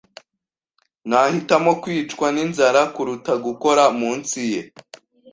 Nahitamo kwicwa ninzara kuruta gukora munsi ye.